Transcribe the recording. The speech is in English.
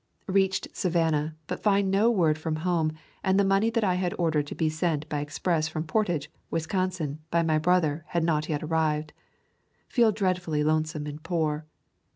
Reached Savannah, but find no word from home, and the money that I had ordered to be sent by express from Portage [Wisconsin] by my brother had not yet arrived. Feel dreadfully lonesome and poor.